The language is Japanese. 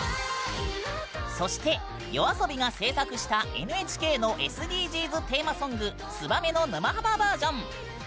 そしてＹＯＡＳＯＢＩが制作したＮＨＫのＳＤＧｓテーマソング「ツバメ」の「沼ハマ」バージョン。